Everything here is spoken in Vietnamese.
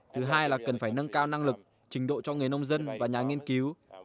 thứ hai là cần phải nâng cao năng lực trình độ cho người nông dân và nhà nghiên cứu